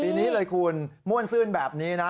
ปีนี้เลยคุณม่วนซื่นแบบนี้นะ